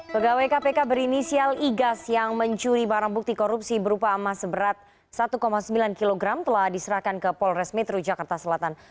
pegawai kpk berinisial igas yang mencuri barang bukti korupsi berupa emas seberat satu sembilan kg telah diserahkan ke polres metro jakarta selatan